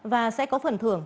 và sẽ có phần thưởng